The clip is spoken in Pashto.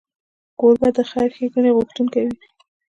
کوربه د خیر ښیګڼې غوښتونکی وي.